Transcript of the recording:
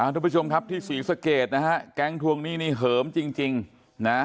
ทุกผู้ชมครับที่ศรีสะเกดนะฮะแก๊งทวงหนี้นี่เหิมจริงจริงนะ